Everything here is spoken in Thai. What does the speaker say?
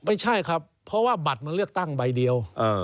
ไม่ใช่ครับเพราะว่าบัตรมันเลือกตั้งใบเดียว